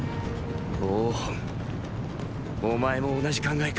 王賁お前も同じ考えか！